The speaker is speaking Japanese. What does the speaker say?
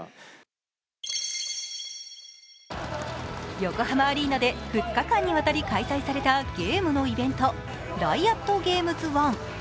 横浜アリーナで２日間にわたり開催されたゲームのイベント、ＲｉｏｔＧａｍｅｓＯＮＥ。